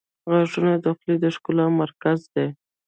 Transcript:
• غاښونه د خولې د ښکلا مرکز دي.